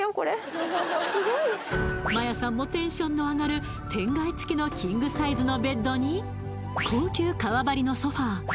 摩耶さんもテンションの上がる天蓋付きのキングサイズのベッドに高級革張りのソファー